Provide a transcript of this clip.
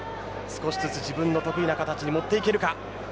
少しずつ自分の得意な形に持っていけるか。